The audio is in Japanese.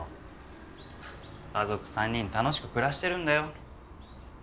家族３人楽しく暮らしてるんだよ。